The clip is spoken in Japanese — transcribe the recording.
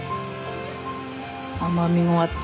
甘みもあって。